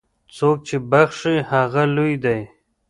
څوک چې بخښي، هغه لوی دی.